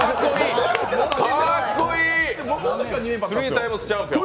かっこいい、スリータイムス・チャンピオン。